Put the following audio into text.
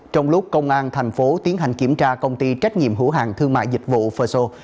trong lúc công an thành phố tiến hành kiểm tra công ty trách nhiệm hữu hàng thương mại dịch vụ phơ xô